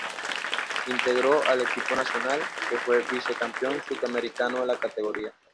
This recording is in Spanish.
Integró el equipo Nacional, que fue Vice Campeón Sud Americano de la categoría.